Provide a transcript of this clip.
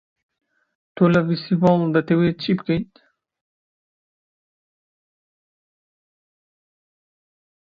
تۆ لە فێستیڤاڵ دەتەوێ چ بکەی؟